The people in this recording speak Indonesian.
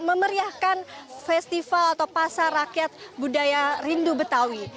memeriahkan festival atau pasar rakyat budaya rindu betawi